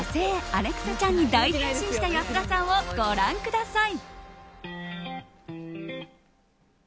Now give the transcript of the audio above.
アレクサ・チャンに大変身した安田さんをご覧ください。